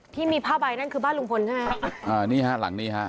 ที่มีผ้าใบนั่นคือบ้านลุงพลใช่ไหมอ่านี่ฮะหลังนี้ฮะ